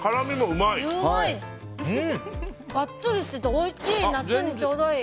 ガッツリしてておいしい夏にちょうどいい。